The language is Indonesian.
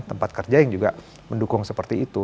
tempat kerja yang juga mendukung seperti itu